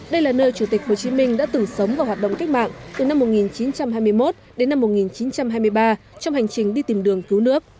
đây là nơi chủ tịch hồ chí minh đã từng sống và hoạt động cách mạng từ năm một nghìn chín trăm hai mươi một đến năm một nghìn chín trăm hai mươi ba trong hành trình đi tìm đường cứu nước